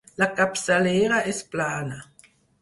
La capçalera és plana.